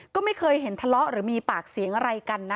ก็ไม่เคยเห็นทะเลาะหรือมีปากเสียงอะไรกันนะ